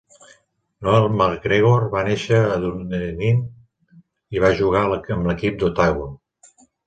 Noel McGregor va néixer a Dunedin i va jugar amb l'equip d'Otago.